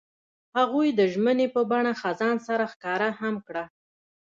هغوی د ژمنې په بڼه خزان سره ښکاره هم کړه.